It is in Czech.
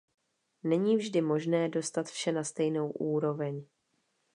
Není vždy možné dostat vše na stejnou úroveň.